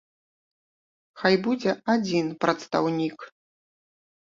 Хай будзе адзін прадстаўнік.